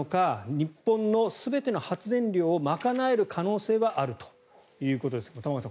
日本の全ての発電量を賄える可能性はあるということですが玉川さん